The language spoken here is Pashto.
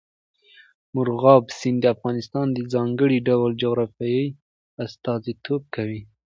مورغاب سیند د افغانستان د ځانګړي ډول جغرافیه استازیتوب کوي.